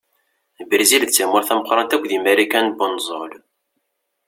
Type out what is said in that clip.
Brizil d tamurt tameqqṛant akk deg Marikan n unẓul.